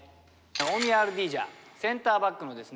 大宮アルディージャセンターバックのですね